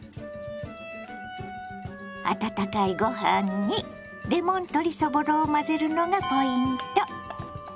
温かいご飯にレモン鶏そぼろを混ぜるのがポイント。